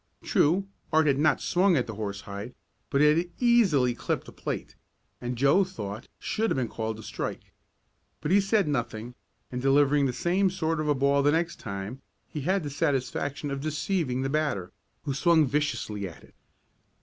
True, Art had not swung at the horsehide, but it had easily clipped the plate, and, Joe thought, should have been called a strike. But he said nothing, and, delivering the same sort of a ball the next time, he had the satisfaction of deceiving the batter, who swung viciously at it.